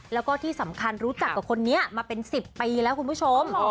แล้วก็ที่สำคัญรู้จักกับคนนี้มาเป็น๑๐ปีแล้วคุณผู้ชม